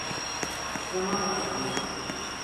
Zaman zaman.